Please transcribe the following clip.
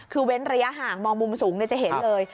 คือเว้นระยะห่างมองมุมสูงจะเห็นเลย